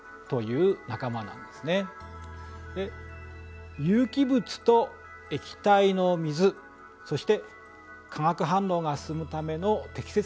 で有機物と液体の水そして化学反応が進むための適切な温度